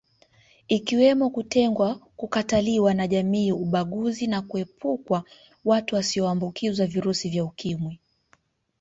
Ikiwemo kutengwa kukataliwa na jamii ubaguzi na kuepukwa watu wasioambukizwa virusi vya Ukimwi